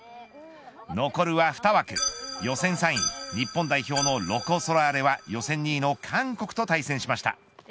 残るは２枠、予選３位日本代表のロコ・ソラーレは予選２位の韓国と対戦しました。